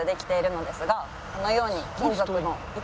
このように。